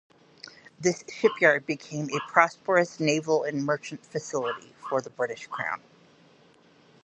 This shipyard became a prosperous naval and merchant facility for the British Crown.